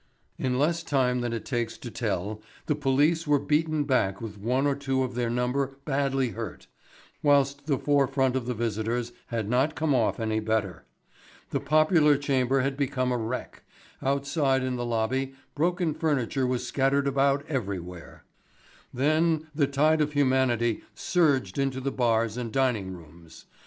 In less time than it takes to tell the police were beaten back with one or two of their number badly hurt, whilst the forefront of the visitors had not come off any better. The popular chamber had become a wreck; outside in the lobby broken furniture was scattered about everywhere. Then the tide of humanity surged into the bars and dining rooms.